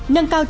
nâng cao trịnh